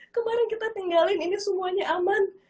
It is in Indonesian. kemarin kita tinggalin ini semuanya aman